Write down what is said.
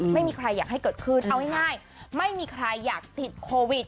ไม่มีใครอยากให้เกิดขึ้นเอาง่ายไม่มีใครอยากติดโควิด